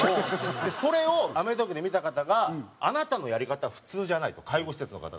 それを『アメトーーク』で見た方が「あなたのやり方普通じゃない」と介護施設の方が。